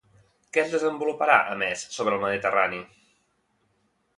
Què es desenvoluparà, a més, sobre el Mediterrani?